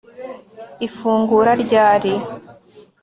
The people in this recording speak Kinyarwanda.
Ifungura ryari